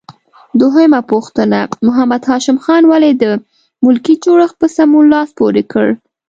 دویمه پوښتنه: محمد هاشم خان ولې د ملکي جوړښت په سمون لاس پورې کړ؟